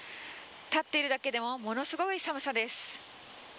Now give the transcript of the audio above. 立っているだけでもものすごい寒さです。